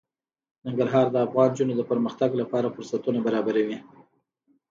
ننګرهار د افغان نجونو د پرمختګ لپاره فرصتونه برابروي.